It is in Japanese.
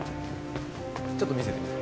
ちょっと見せて。